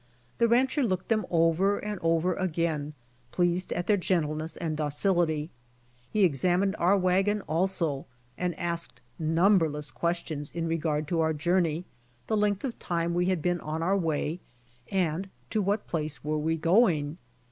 The rancher looked them over and over again, pleased at their gentleness and docility. He examined our wagon also, and asked numberless questions in regard to our journey, the length of time we had been on our way, and to what place were we going.